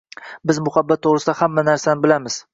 Biz muhabbat to‘g‘risida hamma narsani bilamiz